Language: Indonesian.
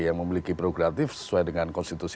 yang memiliki prokreatif sesuai dengan konstitusi